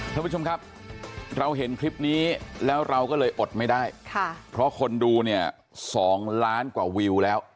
ท่านผู้ชมครับเราเห็นคลิปนี้แล้วเราก็เลยอดไม่ได้เพราะคนดูเนี่ย๒ล้านกว่าวิวแล้ว